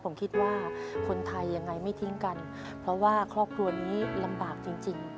ผมคิดว่าคนไทยยังไงไม่ทิ้งกันเพราะว่าครอบครัวนี้ลำบากจริง